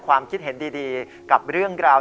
ความคิดเห็นดีกับเรื่องราว